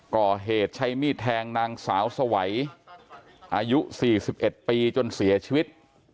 ก่อเหตุใช้มีดแทงนางสาวสวัยอายุ๔๑ปีจนเสียชีวิต